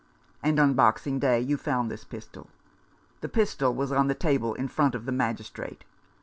" And on Boxing Day you found this pistol ?" The pistol was on the table in front of the Magistrate.